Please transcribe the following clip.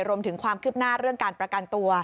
รวมถึงความคืบหน้าเรื่องการประกันตัว